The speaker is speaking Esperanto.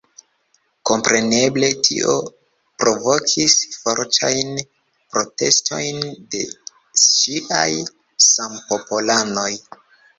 Kompreneble tio provokis fortajn protestojn de ŝiaj sampopolanoj.